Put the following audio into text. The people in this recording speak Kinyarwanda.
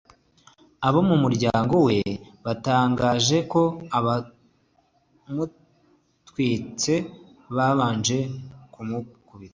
Abo mu muryango we batangaje ko abamutwitse babanje kumukubita